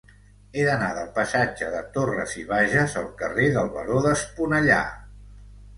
He d'anar del passatge de Torras i Bages al carrer del Baró d'Esponellà.